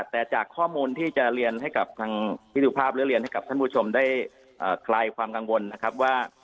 แต่จากข้อมูลที่จะเรียนให้กับทางพี่สุภาพและเรียนให้กับท่านผู้ชมได้คลายความกังวลนะครับว่า